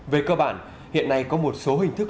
về cơ bản hiện nay có một số hình thức